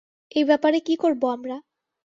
এই ব্যাপারে কী করবো আমরা?